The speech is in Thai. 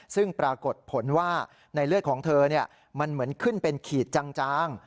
ซึ่งปรากฏผลว่าในเลือดของเธอมันเหมือนขึ้นเป็นขีดจาง